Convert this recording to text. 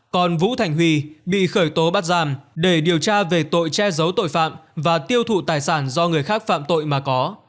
còn vũ thành huy bị khởi tố bắt giam để điều tra về tội che giấu tội phạm và tiêu thụ tài sản do người khác phạm tội mà có